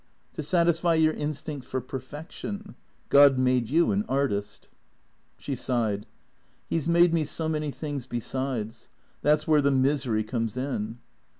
" To satisfy your instinct for perfection. God made you an artist." She sighed. " He 's made me so many things besides. That 's where the misery comes in."